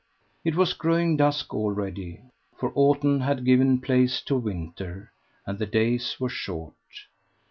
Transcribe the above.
It was growing dusk already, for autumn had given place to winter, and the days were short.